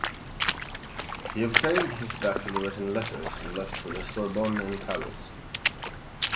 He obtained his baccalaureate in letters and left for the Sorbonne in Paris.